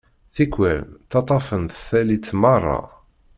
Tikwal, ttaṭṭafen-t tallit merra.